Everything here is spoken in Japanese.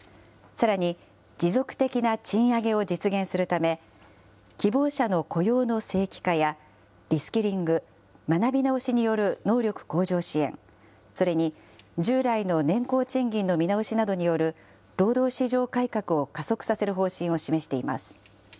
さらに、持続的な賃上げを実現するため、希望者の雇用の正規化や、リスキリング・学び直しによる能力向上支援、それに、従来の年功賃金の見直しなどによる労働市場改革を加速させる方針を示しています。